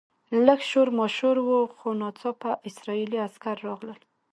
لږ شور ماشور و خو ناڅاپه اسرایلي عسکر راغلل.